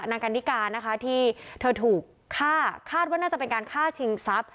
นางกาณิกานะคะที่ถูกฆ่าคาดว่าน่าจะเป็นการฆ่าทิ้งซับ